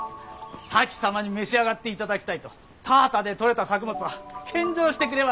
前様に召し上がっていただきたいと田畑でとれた作物を献上してくれまする。